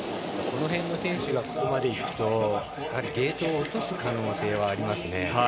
この辺の選手がここまでいくとゲートを落とす可能性はありますね。